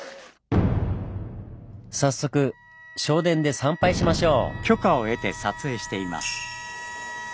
早速正殿で参拝しましょう。